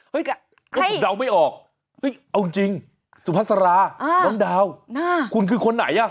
เฮ้ยต้องคุณเดาไม่ออกเอาจริงสุพัสราวันดาวคุณคือคนไหนอะ